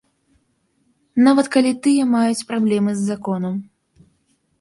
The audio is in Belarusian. Нават калі тыя маюць праблемы з законам.